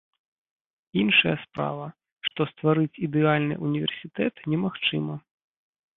Іншая справа, што стварыць ідэальны універсітэт немагчыма.